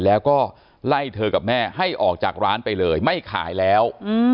แล้วก็ไล่เธอกับแม่ให้ออกจากร้านไปเลยไม่ขายแล้ว